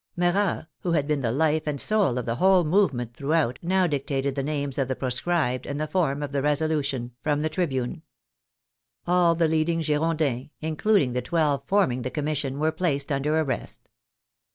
Marat, who had been the life and soul of the whole movement throughout, now dictated the names of the proscribed and the form of the resolution, from the tribune. All the leading Girondins, including the twelve forming the Commission, were placed under arrest.